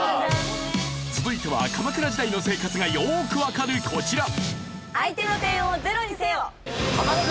続いては鎌倉時代の生活がよくわかるこちら！